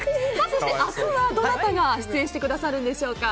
そして明日はどなたが出演してくださるんでしょうか？